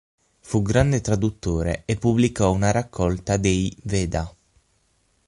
Fu grande traduttore e pubblicò una raccolta dei "Veda".